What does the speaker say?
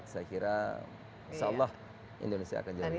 saya kira insya allah indonesia akan jalan lalu